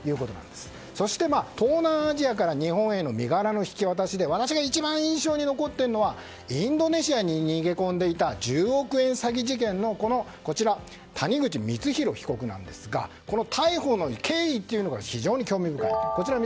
そして、東南アジアから日本への身柄の引き渡しで私が一番印象に残っているのはインドネシアに逃げ込んでいた１０億円詐欺事件の谷口光弘被告なんですがこの逮捕の経緯が非常に興味深い。